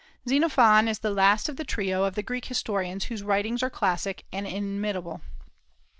Xenophon is the last of the trio of the Greek historians whose writings are classic and inimitable.